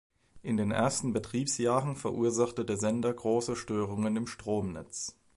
In den ersten Betriebsjahren verursachte der Sender große Störungen im Stromnetz.